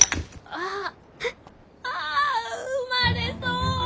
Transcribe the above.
ああ産まれそう。